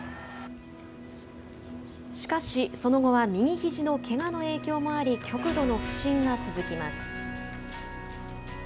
しかし、その後は右ひじのけがの影響もあり極度の不振が続きます。